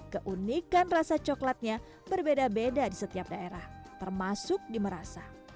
keunikan rasa coklatnya berbeda beda di setiap daerah termasuk di merasa